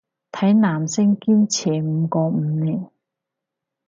睇男星堅持唔過五年